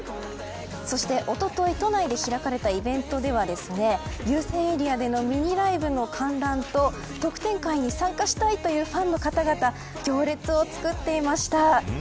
そして、おととい都内で開かれたイベントでは優先エリアでのミニライブの観覧と特典会に参加したいというファンの方々が行列を作っていました。